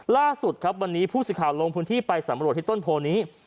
ล่าสุดครับวันนี้ผู้สิทธิ์ลงพื้นที่ไปสำรวจที่ต้นโพนี้